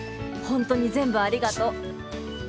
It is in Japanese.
本当に全部ありがとう。